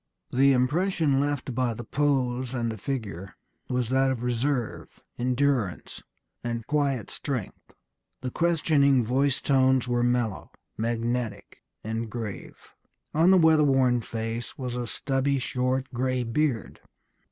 The impression left by the pose and the figure was that of reserve, endurance, and quiet strength. The questioning voice tones were mellow, magnetic, and grave. On the weatherworn face was a stubby, short, gray beard....